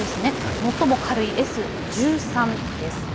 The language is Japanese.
最も軽い、Ｓ１３です。